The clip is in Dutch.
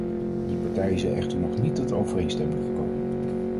Die partijen zijn echter nog niet tot overeenstemming gekomen.